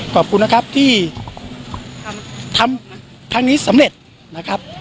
ขอบคุณนะครับที่ทำครั้งนี้สำเร็จนะครับ